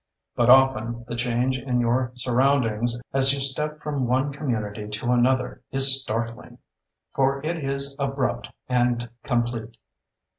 But often, the change in your surroundings as you step from one community to another is startling—for it is abrupt and complete.